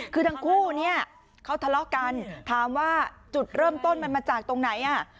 คือทั้งคู่เนี่ยเขาทะเลาะกันถามว่าจุดเริ่มต้นมันมาจากตรงไหนอ่ะ